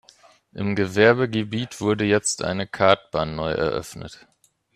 Im Gewerbegebiet wurde jetzt eine Kartbahn neu eröffnet.